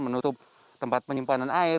menutup tempat penyimpanan air